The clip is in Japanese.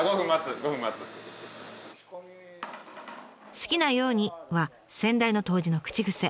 「好きなように」は先代の杜氏の口癖。